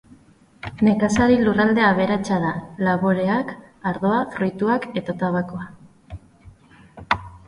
Nekazari lurralde aberatsa da: laboreak, ardoa, fruituak eta tabakoa.